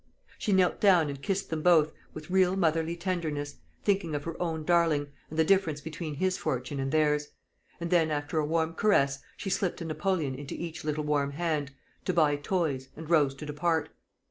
She knelt down and kissed them both, with real motherly tenderness, thinking of her own darling, and the difference between his fortunes and theirs; and then, after a warm caress, she slipped a napoleon into each little warm hand, "to buy toys," and rose to depart.